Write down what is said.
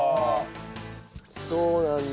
そうなんだ。